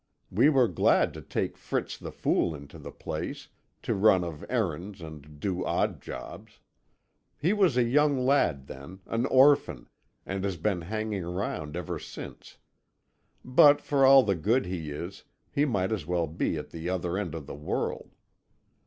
We were glad to take Fritz the Fool into the place, to run of errands and do odd jobs. He was a young lad then, an orphan, and has been hanging about ever since. But for all the good he is, he might as well be at the other end of the world.